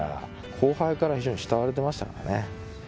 後輩から非常に慕われてましたからね。